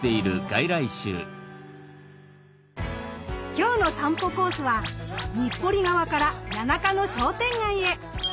今日の散歩コースは日暮里側から谷中の商店街へ。